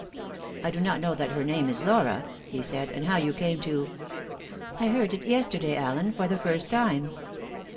"I do not know that her name is Laura," he said; "and how you came to " "I heard it yesterday, Allen, for the first time."